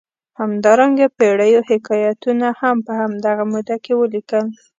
همدارنګه پېړیو حکایتونه هم په همدغه موده کې ولیکل.